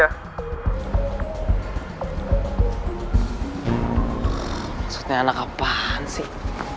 maksudnya anak kapan sih